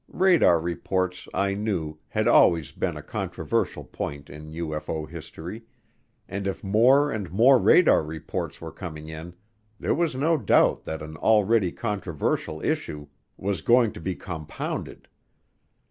Radar reports, I knew, had always been a controversial point in UFO history, and if more and more radar reports were coming in, there was no doubt that an already controversial issue was going to be compounded.